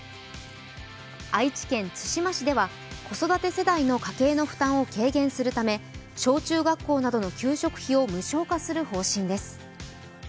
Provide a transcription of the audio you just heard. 愛知県津島市では子育て世代の家計の負担を軽減するため小中学校などの給食費を無償化する方針です。